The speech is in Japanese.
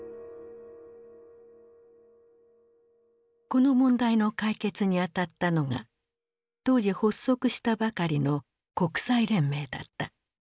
この問題の解決に当たったのが当時発足したばかりの国際連盟だった。